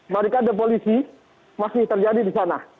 barikade polisi masih terjadi di sana